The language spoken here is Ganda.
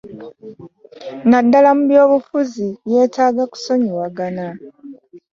Naddala mu by'obufuzi yeetaaga kusonyiwagana.